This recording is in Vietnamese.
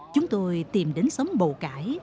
chúng tôi tìm đến xóm bầu cải